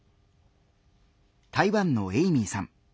台湾のエイミーさん。